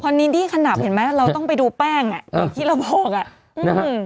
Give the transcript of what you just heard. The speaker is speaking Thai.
นินดี้ขนับเห็นไหมเราต้องไปดูแป้งอ่ะอย่างที่เราบอกอ่ะอืม